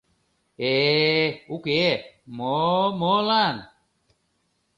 Э-э-э, уке, мо-молан?